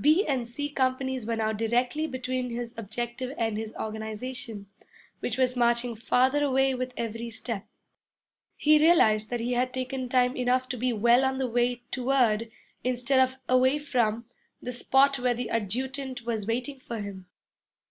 B and C companies were now directly between his objective and his organization, which was marching farther away with every step. He realized that he had taken time enough to be well on the way toward, instead of away from, the spot where the adjutant was waiting for him.